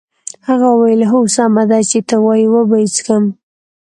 هغه وویل هو سمه ده چې ته وایې وبه یې څښم.